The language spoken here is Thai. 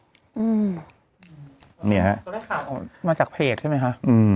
อืมนี่นะฮะมาจากเพจใช่ไหมฮะ